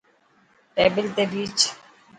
ٽيبل تي ڀيچ.